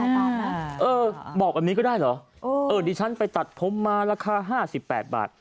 เออบอกแบบนี้ก็ได้เหรอเออดิฉันไปตัดผมมาราคา๕๘บาท